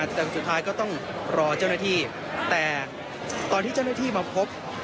แต่สุดท้ายก็ต้องรอเจ้าหน้าที่แต่ตอนที่เจ้าหน้าที่มาพบ